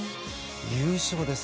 優勝です。